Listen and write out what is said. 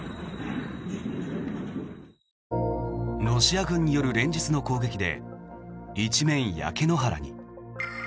ロシア軍による連日の攻撃で一面焼け野原に。